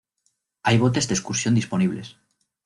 Hay botes de excursión disponibles.